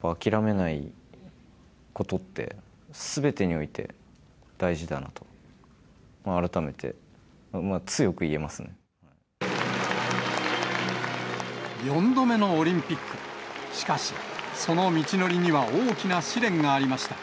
諦めないことって、すべてにおいて大事なと、４度目のオリンピック、しかし、その道のりには大きな試練がありました。